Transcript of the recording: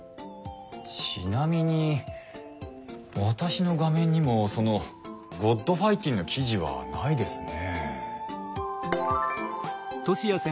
ちなみに私の画面にもその「ｇｏｄファイティン」の記事はないですね。